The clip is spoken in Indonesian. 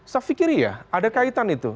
saya pikir iya ada kaitan itu